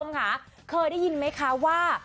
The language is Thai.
คุณผู้ชมค่ะเคยได้ยินไหมคะว่า